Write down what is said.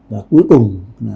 và cuối cùng